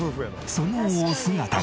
そのお姿が。